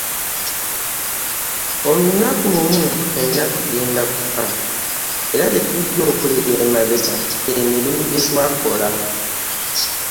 Olunaku lumu ffenna tugenda kufa era kye tujja okuleka emabega gy'emirimu gye twakola.